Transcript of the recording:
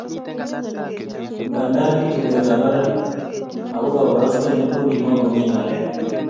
Nganda ki tugetab barak ako koborostoindet kokimwa komie ngalek